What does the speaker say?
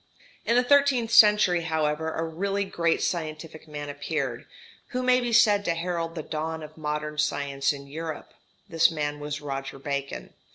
In the thirteenth century, however, a really great scientific man appeared, who may be said to herald the dawn of modern science in Europe. This man was Roger Bacon.